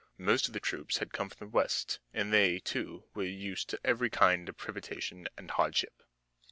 Most of the troops had come from the west, and they, too, were used to every kind of privation and hardship.